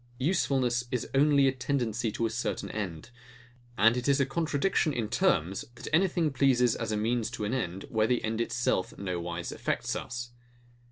Usefulness is only a tendency to a certain end; and it is a contradiction in terms, that anything pleases as means to an end, where the end itself no wise affects us.